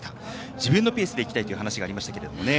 自分のペースで行きたいという話がありましたね。